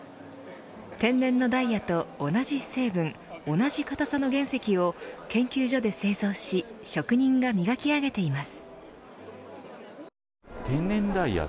天然のダイヤと同じ成分同じ硬さの原石を研究所で製造し職人が磨き上げています。